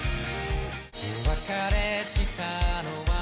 「お別れしたのはもっと」